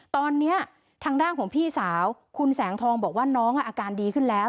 ตอนนี้ทางด้านของพี่สาวคุณแสงทองบอกว่าน้องอาการดีขึ้นแล้ว